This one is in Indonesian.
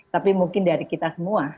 tapi mungkin dari kita semua